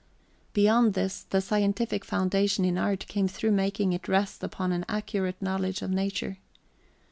Beyond this, the scientific foundation in art came through making it rest upon an accurate knowledge of nature.